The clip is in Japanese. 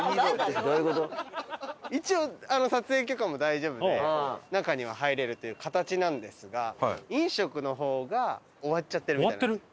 一応撮影許可も大丈夫で中には入れるという形なんですが飲食の方が終わっちゃってるみたいなんですよ。